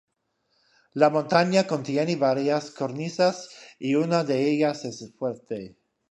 La montaña contiene varias cornisas y una de ellas es fuerte.